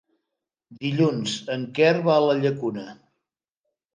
Dilluns en Quer va a la Llacuna.